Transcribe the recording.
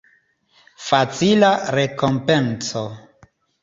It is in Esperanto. Facila rekompenco.